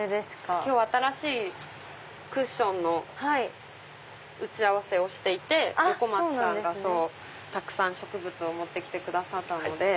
今日新しいクッションの打ち合わせをしていて横町さんがたくさん植物を持って来てくださったので。